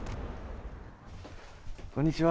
こんにちは。